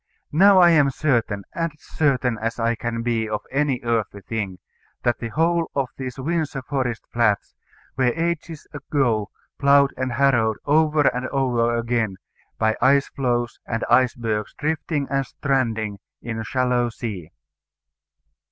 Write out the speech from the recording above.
Now I am certain, as certain as I can be of any earthly thing, that the whole of these Windsor Forest Flats were ages ago ploughed and harrowed over and over again, by ice floes and icebergs drifting and stranding in a shallow sea."